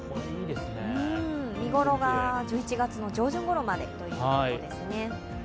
見頃が１１月上旬頃までということですね。